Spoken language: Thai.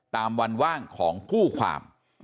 ตามวันว่างของคู่ความ